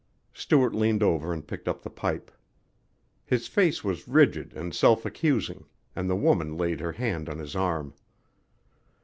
Stuart leaned over and picked up the pipe. His face was rigid and self accusing, and the woman laid her hand on his arm.